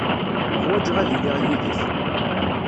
Ḥwajeɣ ad iliɣ yid-k.